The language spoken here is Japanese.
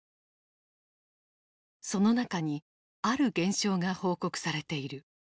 その中にある現象が報告されている。